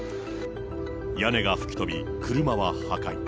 屋根が吹き飛び車は破壊。